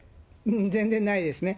全然ないですね。